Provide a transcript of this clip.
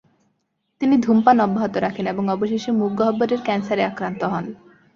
তিনি ধূমপান অব্যহত রাখেন, এবং অবশেষে মুখগহ্বরের ক্যান্সারে আক্রান্ত হন।